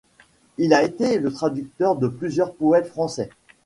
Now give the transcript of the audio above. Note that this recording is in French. Il a été le traducteur de plusieurs poètes français.